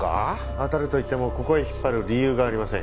当たるといってもここへ引っ張る理由がありません。